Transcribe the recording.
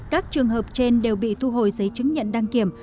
các trường hợp trên đều bị thu hồi giấy chứng nhận đăng kiểm